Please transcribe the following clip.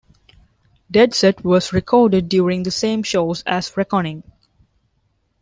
"Dead Set" was recorded during the same shows as "Reckoning".